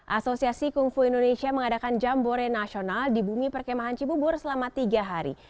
asosiasi kungfu indonesia mengadakan jambore nasional di bumi perkemahan cibubur selama tiga hari